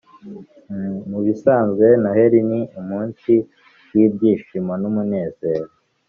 Mu bisanzwe Noheli ni umunsi w’ibyishimo n’umunezero